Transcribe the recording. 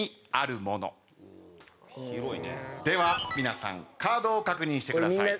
では皆さんカードを確認してください。